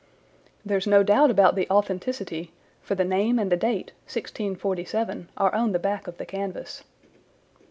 "There's no doubt about the authenticity, for the name and the date, 1647, are on the back of the canvas."